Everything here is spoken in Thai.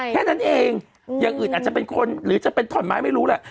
แค่นั้นเองอย่างอื่นอาจจะเป็นคนหรือจะเป็นถ่อนไม้ไม่รู้แหละ